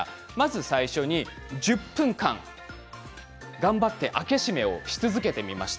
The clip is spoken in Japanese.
最初に１０分間、頑張って開け閉めを続けてみました。